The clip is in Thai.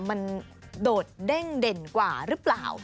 มันโดดเด้งเด่นกว่าหรือเปล่า